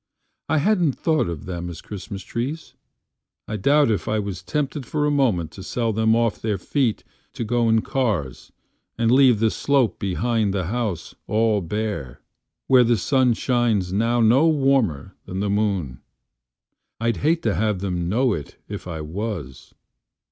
I hadn't thought of them as Christmas Trees.I doubt if I was tempted for a momentTo sell them off their feet to go in carsAnd leave the slope behind the house all bare, Where the sun shines now no warmer than the moon. I'd hate to have them know it if I was.